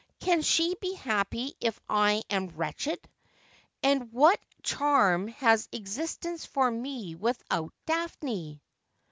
' Can she be happy if I am wretched ? And what charm has existence for me without Daphne